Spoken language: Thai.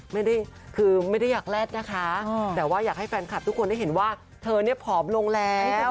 ไม่ได้คือไม่ได้อยากแลดนะคะแต่ว่าอยากให้แฟนคลับทุกคนได้เห็นว่าเธอเนี่ยผอมลงแล้ว